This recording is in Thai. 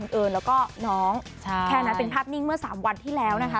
เอิญแล้วก็น้องแค่นั้นเป็นภาพนิ่งเมื่อ๓วันที่แล้วนะคะ